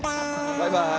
バイバーイ。